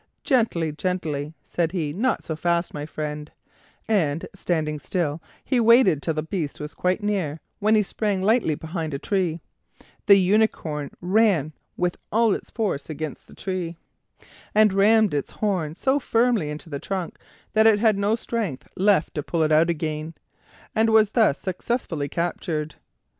"Gently, gently," said he; "not so fast, my friend;" and standing still he waited till the beast was quite near, when he sprang lightly behind a tree; the unicorn ran with all its force against the tree, and rammed its horn so firmly into the trunk that it had no strength left to pull it out again, and was thus successfully captured.